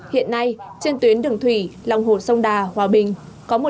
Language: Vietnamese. hiện nay trên tuyến đường thủy lòng hồ sông đà hòa bình